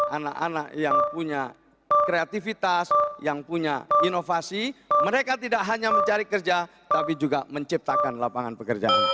anak anak yang punya kreativitas yang punya inovasi mereka tidak hanya mencari kerja tapi juga menciptakan lapangan pekerjaan